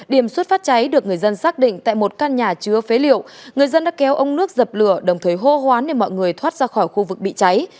điểm xuất phát cháy được người dân xác định tại một căn nhà chứa phế liệu người dân đã kéo ông nước dập lửa đồng thời hô hoán để mọi người thoát ra khỏi khu vực bị cháy